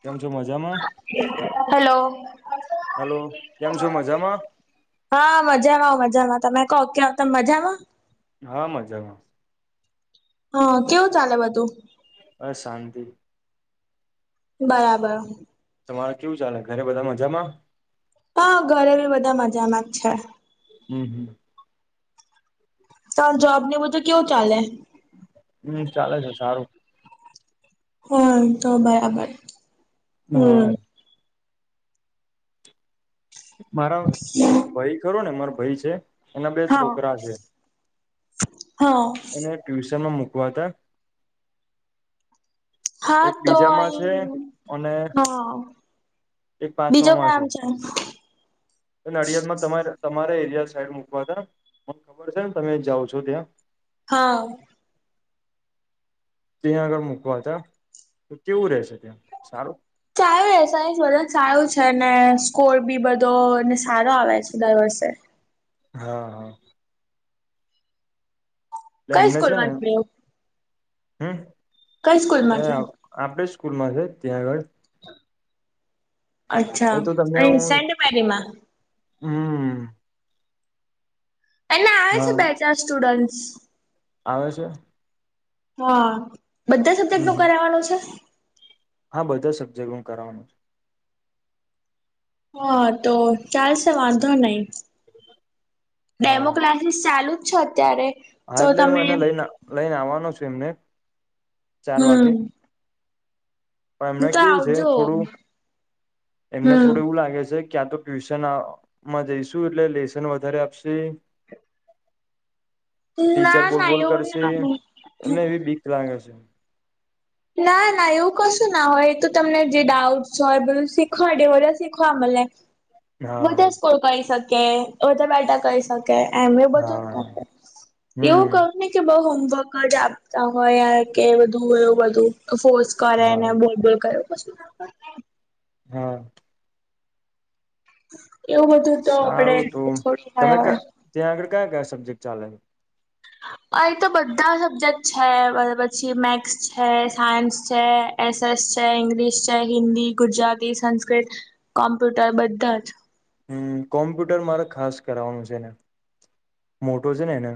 કેમ છો મજામાં? હેલો. હેલો કેમ છો મજામાં? હા મજામાં મજામાં તમે કહો ક્યા તમે મજામાં? હા મજામાં હા કેવું ચાલે બધું અશાંતિ બરાબર તમારે કેવું ચાલે ઘરે બધા મજામાં? હા ઘરે બી બધા મજામાં જ છે હમ હમ સા જવાબને મુઝે કેવું ચાલે [inaudible] હમ ચાલે છે સારું હમ તો બરાબર હા હમ. મારા ભાઈ ખરો ને મારા ભાઈ છે એના બે હા છોકરા છે, [unintelligible] એને ટ્યુશનમાં મુકવા હતા, હા એક તો બીજામાં અઇ છે અને હા બીજો નામ છે. નડિયાદ માં તમારે તમારે. સાઈડ મુકવા તા [inaudible] ખબર છે ને તમે જાઓ છો ત્યાં હા. ત્યાં આગળ મૂકવા હતા તો કેવું રહેેશે ત્યાં સારું? સારુ એ સાહીધન ચાયું છે, ને સ્કોર બી બધોને સારો આવે છે દર વર્ષે હા હા કઈ સ્કૂલ માં છે. હમ્મ કઈ અ સ્કૂલમાં છે આ આપડે સ્કૂલ માં છે ત્યાં આગળ. અચ્છા એ અને સેન્ટ મેંરીમાં હમ્મ. એને આવે છે બે ચાર સ્ટુડન્ટસ આવે છે? હા, બધા સબ્જેક્ટ હમ નું હમ. કરાવાનું છે? હા, બધા સબ્જેક્ટ હું કરવાનો છુ. હા તો ચાલશે વાંધો નહી. ડેમો હા ક્લાસીસ ચાલુ જ છે અત્યારે હા, તો એટલે હું તમે એને લઈને લઈને આવવાનો છું એમને ચાર હમ વાગે પણ એમને તો કેવું છે આવજો થોડું એમને હમ થોડું એવું લાગે છે‌. ક્યાં તો ટ્યુશનમાં જઈશુ એટલે લેસન વધારે આપશે, ટીચર ના બોલ ના બોલ એવું કરશે ના હોય. એમને એવી બીક લાગે છે. ના ના એવું કશું ના હોય એ તો તમને જે ડાઉટસ હોય બધું શીખવાડે બધા શીખવા મળે. [inaudible] હા બધા સ્કૂલ કરી શકે વધા બેઠા કરી શકે. કે એમ એ બધુ હા એવું હમ કહું ને કે બઉ ફક્જ આપતા હોય, યાર કે બધું એવુ બધું ફોર્સ કરે ને હા બોલબોલ કરે. [unintelligible] હા એવું બધું તો સારું તો આપણેે તમે છોડીયા ક હોય ત્યાં આગળ કયા કયા સબ્જેક્ટ ચાલે [unintelligible] અ તો બધા સબ્જેક્ટ છે પછી મેથસ છે સાયન્સ છે એસએસ છે ઈગ્લિશ છે હિન્દી ગુજરાતી સંસ્કૃત કોમ્પ્યુટર બધા જ હમ્મ કોમ્પ્યુટર મારે ખાસ કરવાનું છે ને મોટો છે ને એને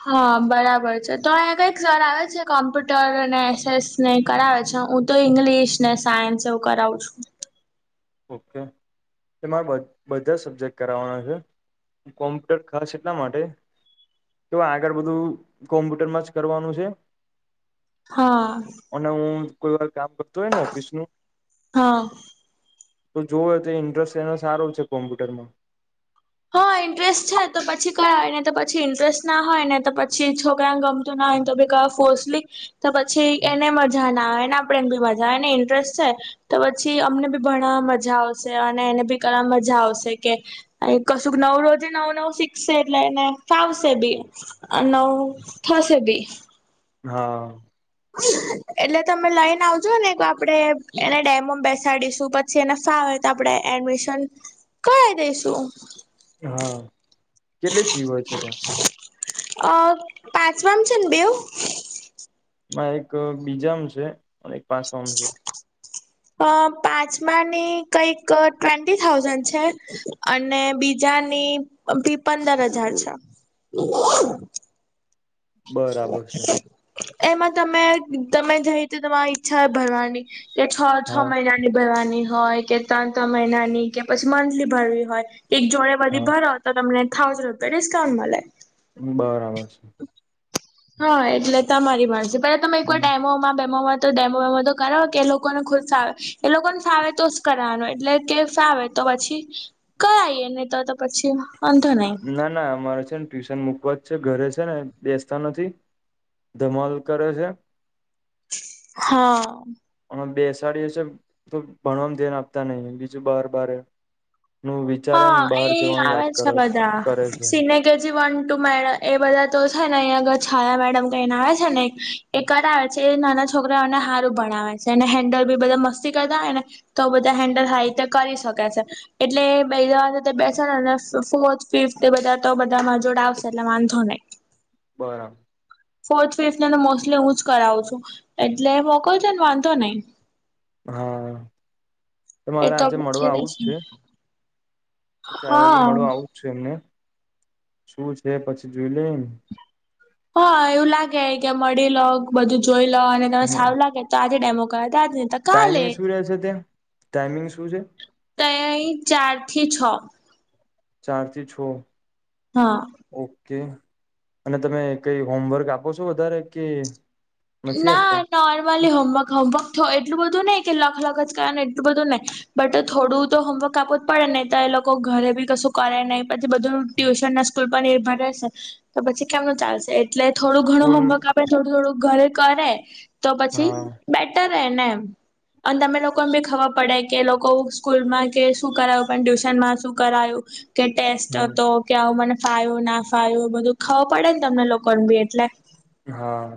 હા, બરાબર છે તો અહીંયા કઈક સર આવે છે કોમ્પ્યુટર અને એસ એસ ને કરાવે છે. અચા હું તો ઇંગ્લિશ ને સાયન્સ એવું કરાવું છું. ઓકે. એમાં બે બધા સબ્જેક્ટ કરાવવાના છે, કોમ્પ્યુટર ખાસ એટલા માટે તો આગળ બધું કોમ્પ્યુટરમાં જ કરવાનું છે. હા. અને હું કોઈ વાર કામ કરતું હોય ને ઓફિસ નું હા તો જોવો તો ઇન્ટરેસ્ટ એનો સારો છે, કોમ્પ્યુટરમાં હા, ઇન્ટરેસ્ટ છે તો પછી કયા હોય ને તો પછી ઈન્ટરેસ્ટ ના હોય ને તો પછી છોકરાને ગમતું ના તો ભ ક ફોસલી તો પછી એને મજા ના આવે એના એને ઇન્ટરેસ્ટ છે તો પછી અમને બી ભણાવા માં મજા આવશે અને એને આઈ એમ ભી જા આવશે કે. એ કશું નવ રોજે નવું નવું શીખશે એટલે એને ફાવશે બી અ નવ સેબી. હા. એટલે તમે લઈને આવજો ને આપડે એને ડેમમ બેસાડીશું પછી એને ફ તો આપણે એડમિશન કરા ઈ દઈશું. હા કેટલી ફી હોય છે ત્યાં અ પાંચમામ છે ને બેઓ માં એક બીજામ છે. [inaudible] હ [unintelligible] અ પાંચમાની કઈક ટ્વેન્ટી થાઉઝન્ડ છે અને બીજાની ફી પંદર હજાર છે બરાબર છે એમાં તમે તમે જઈી તો તમારી ઈચ્છા ભરવાની કે છ છ હા મહિનાની ભરવાની હોય કે ત્રણ ત્રણ મહિનાની કે પછી મંથલી ભરવી હોય એક જોડે બધી હા ભરો તો તમને થાઉઝન્ડ રૂપિયા ડિસ્કાઉન્ટ મલે. બરાબર છે હા, એટલે તમારી વાર છે પેલા તમે એકવાર ડેમોમાં બેમોમાં તો ડેમો વેમો તો કરાવો કે એ લોકોને ખુદ ફાવે એ લોકોને ફાવે તોજ કરાવાનું એટલે કે ફાવે તો પછી ક આવી નને તો તો પછી વાંધો નહી ના ના અમારો ટ્યુશન મૂકવા જ છે ઘરે છે ને બેસતા નથી ધમાલ કરે છે હા. અને બેસાડીએ છે તો ભણવામાં ધ્યાન આપતા નય બીજું બાર બારે. નું વિચારે ને હા બહાર એ જવાની આવે વાત છે કરે બધા કરે છે સિને કેજી વન તુમેડા એ બધા તો છેને અહીંયા આગળ છાયા મેડમ કરીને આવે છેને એ કરાવે છે. એ નાના છોકરાઓને હારું ભણાવે છે અને હેન્ડલ બી બધા મસ્તી કરતા હોય ને તો બધા હેન્ડલ હ કરી શકે છે એટલે. બે જવા બેસે ને ફોર્થ ફિફ્થ બધા તો બધામાં જોડ આવશે એટલા વાંધો નહી. બરાબ. ફોર્થ ફિફ્થને તો મોસ્ટલી હું જ કરાવું છું એટલે મોકો છેને વાંધો નય. હા, મારે એ તો આજે મળવા આપડે આવું જ છે. ચાર વાગે હા મળો આવું જ છું એમને શું છે પછી જોઈ લઈ એને. હા, એવું લાગે કે મળી લો, બધું જોઈ લો અને તને ન સારુ લાગે તો આજે ડેમો. આજ નેતો કાલે ટાઈમિંગ શું રહે છે ત્યાં ટાઈમિંગ શું છે [unintelligible] તય. ચાર થી છ. ચાર થી છ. હા કે અને તમે કઈ હોમવર્ક આપો છો વધારે કે નથી ના આપતા નોર્મલી હોમવર્ક હોમવર્ક થ એટલું બધું નહી કે અલગ જ કયા ને એટલું બધું નહી બટ થોડું તો હોમવર્ક આપવું જ પડે નહી તો એ લોકો ઘરે બી કશું કરે નહીં. પછી બધું ટ્યુશન ના સ્કૂલ પર નિર્ભર રહેશે તો પછી કેમનું ચાલશે એટલે થોડું ઘણું સ્કૂલ હોમવર્ક આપે થોડું થોડું ઘરે કરે તો પછી હા બેટર તેને. અને તમને લોકોને ભી ખબર પડે કે લોકો સ્કૂલમાં કે શું કરાવું પણ ટ્યુશનમાં શું કરાયું. કે ટેસ્ટ હમ હતો કે આવું મને ફાયુંના ફાયું બધું ખબર પડેને તમને લોકોને બી એટલે હા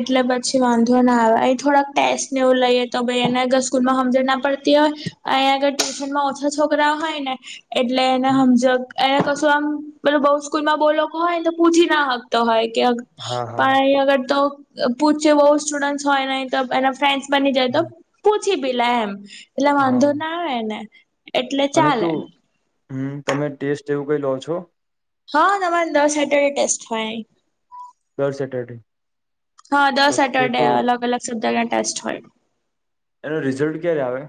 એટલે પછી વાંધો ના આવે અ થોડાક ટેસ્ટ ને એવું લઈએ તો ભાઈ એના સ્કૂલમાં સમજ ના પડ તેઓ અયા આગળ ટ્યુશનમાં ઓછા છોકરા હોયને એટલે એને હમજક એને કશું આમ મતલબ બઉ સ્કૂલ માં બોલોકો હોય ને તો પૂછી ના હકતો હોય હા [unintelligible] પા હા અગર તો પૂછ બહ [unintelligible] સ્ટુડન્ટ હોય ન તો એના ફ્રેન્ડ બની જાય તો પૂછી બી લ એમ એટલે હા વાંધો ના આવે ને એટલે અને ચાલે કેવું હમ, તમે ટેસ્ટ એવું કઈ લો છો? હા, તમારે દર સેટર્ડે ટેસ્ટ હોય. દર સેટરડે. હા, દર ઓકે સેટરડે તો અલગ-અલગ શબ્દ ના ટેસ્ટ હોય. એનું રિઝલ્ટ ક્યારે આવે?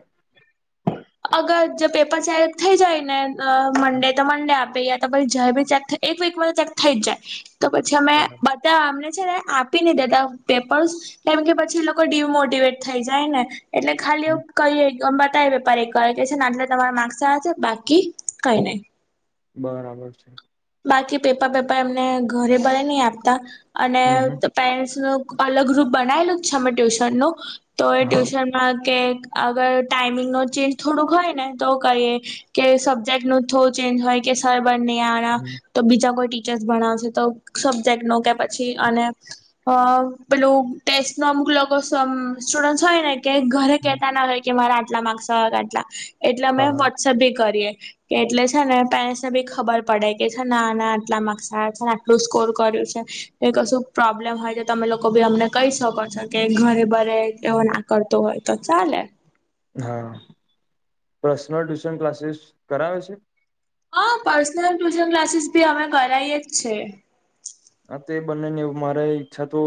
અગર જો પેપર ચેક થઈ જાય ને, તો મંડે તો મંડે આપી પહેલા તો જ્યારે ચેક થઈ જાય, એક વીકમાં તો ચેક થઈ જ જાય, તો પછી અમે બરાબર બધા. છે ને, આપી નહીં દેતા પેપર્સ, કેમ કે પછી એ લોકો ડિમોટીવેટ થઈ જાય ને. એટલે ખાલી હમ, કંઈ વેપાર એક કે છે, આટલે તમારા માકસ આયા છે. બાકી કંઈ નહીં. બરાબર છે. બાકી પેપર પેપર એમને ઘરે બરેની આપતા અને હમ હમ પેરેન્ટ્સનું અલગ ગુપ બનાયલું જ છે અમે ટ્યુશન નું, તો એ હા ટ્યુશનમાં કે. અગર ટાઈમિંગ નો ચેન્જ થોડુંક હોય ને, તો કહીં કે સબ્જેક્ટ નું થોડું ચેન્જ હોય. કે સર બને આણા હમ તો બીજા કોઈ ટીચર ભણાવશે તો સબ્જેક્ટ નો કે પછી? અને પેલું ટેસ્ટ તો? લો સમ સ્ટુડસ હોય ને. કે ઘરે હમ કહેતા ના હોય કે મારા આટલા માર્કસ કે આટલા, એટલે અમે હા હા વોટ્સઅપ ભી કરીએ. કે એટલે છે ને, પેરેન્ટ્સ ને ભી ખબર પડે. ના ના, આટલા માર્કસ આયા છે ને, આટલું સ્કોર કર્યું છે. કશું પ્રોબ્લેમ હોય છે, તમે લોકો બી અમને કહી શકો છો કે ઘરે-બરે એવો ના કરતો હોય તો ચાલે. હા, પર્સનલ ટ્યુશન ક્લાસીસ કરાવે છે. હા, પર્સનલ ટ્યુશન ક્લાસીસ બી અમે કરાઈએ જ છીએ. બંને ને મારે ઈચ્છા તો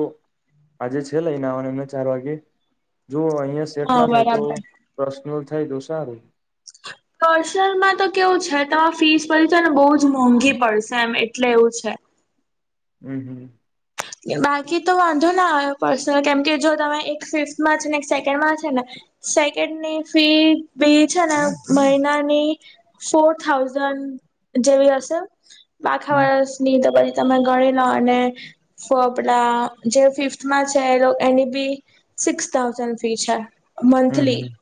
આજે છે, લઈને આવવાની એમને ચાર વાગે. જો અહિયાં સેટ હા ના થાય તો બરાબર પ્રર્સનલ થાય તો સારું. કરસલમાં તો કેવું છે, તમામે ફીસ ભરી તો ને બહુ જ મોંઘી પડશે એમ, એટલે એવું છે. હમ, હમ. બાકી તો વાંધો ના આવ્યો પર્સનલ, કેમ કે જો તમે એક ફિફ્થમાં છે ને, એક સેકન્ડમાં છે ને. સેકન્ડની ફી બી છે, ને મહિનાની ફોર થાઉઝન્ડ. જેવી હશે આખા હમ વર્ષની તો પછી તમે ગણી લો અને ફોપડા જે ફિફ્થમાં છે, એ એની બી સિક્સ થાઉઝન્ડ ફી છે. હમ મંથલી હમ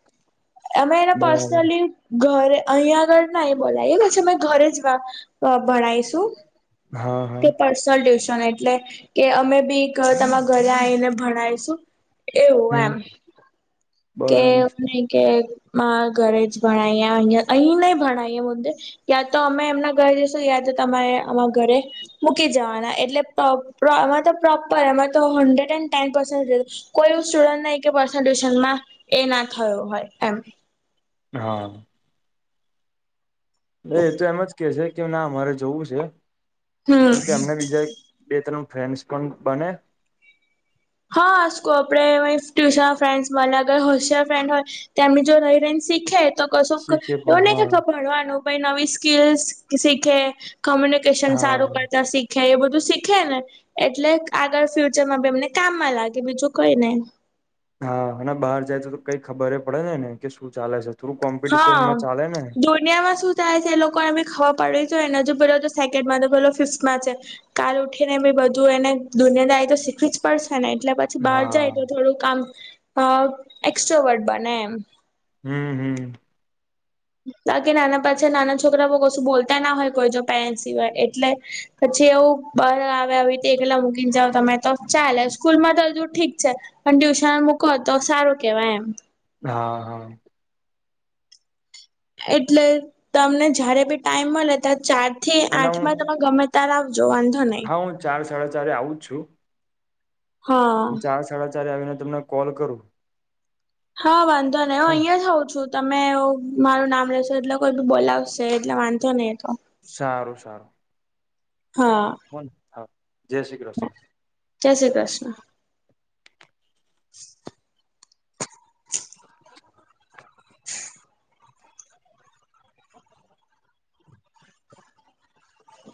એમાં એને બરાબર પર્સનલી ઘરે અહીયા આગળ ના એ બોલાય પછીમે ઘરે જ ભણાયશું હા હા કે પર્સનલ ટ્યુશને એટલે કે અમે બી ઘ તમારા ઘરે આવીને ભણાયશું. એવું હમ એમ બરાબર કેવું નહીં કે હા, ઘરે જ ભણાયએ અ અહીં નય ભણાયએ મુદ્દે, યાતો અમે એમના ઘરે જઈશું યા તમારે આ ઘરે મૂકી જવાના એટલે. એમે તો પ્રોપર, એમા તો હંડ્રેડ એન્ડ ટેન પેરેન્ટસ કોઈ સ્ટુડન્ટ નઇ કે? એક એના થયો હોય એમ. હા. એ, એ તો એમ જ કે છે, કેમ? ના, મારે જોવું છે. હમ કેમ કે અમને બીજા બે ત્રણ ફ્રેન્ડસ પણ બને. હા, આપડે ટ્યુશન ફ્રેન્ડસમા, મને અગર હોશિયાર ફ્રેન્ડ હોય, તેમની જોડે રહી રહીને શીખે તો કશું, શીખે એ પણ નને કે હા ભણવાનું નવી સ્કીલ શીખે. કોમ્યુનિકેશન સારું હા કરતા શીખ્યા, એ બધું શીખેને એટલે આગળ ફ્યુચરમાં બી એમને કામમાં લાગે બીજું કંઈ નઈ. હા, અને બહાર જાય તો તો કંઈ ખબર એ પડે છે ને કે શું ચાલે છે. થોડું હા, કોમ્પિટિશનમાં ચાલે ને દુનિયામાં શું થાય છે એ લોકો એ ખ. પડ તો એને હજુ પેલો સેકન્ડમાં તો પેલો ફિફ્થમાં છે કાલ ઉઠીને એમેં બધું એને દુનિયાદા રિ એતો શીખવી જ પડ ને એટલે પછી બહાર જાય તો હા થોડું કામ એક્સટ્રોવર્ટ બને એમ હમ હમ. બાકી નાના પાછા નાના છોકરા બ કશું બોલતા ના હોય કોઈ જો પેરેન્ટ સિવાય એટલે પછી જે એવું બાર આવે આવીતે એકલા મૂકીને જાવ તમે તો ચાલે સ્કૂલમાં તો હજુ ઠીક છે પણ ટ્યુશન મૂકો તો સારું કેવાય એમ. હા હા. એટલે તમને જયારે બી ટાઈમ મળે ત્યારે ચાર થી અને આઠ હું માં તમે ગમે ત્યારે આવ જો વાંધો નહી. હા હું ચાર સાડા ચારે આવું જ છું. હા હું ચાર સાડા ચાર આવીને તમને કોલ કરું. હા વાંધો નહી હું હને અહિયાં હઉં છું. તમે એવું મારું નામ લેશો એટલે કોઈ બી બોલાવશે એટલે વાંધો નહીં એ તો સારું સારું હા કોન હા જય શ્રી કૃષ્ણ. જય શ્રી કૃષ્ણ. [inaudible] [inaudible]